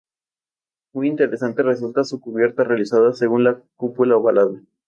Muy interesante resulta su cubierta, realizada según una cúpula ovalada.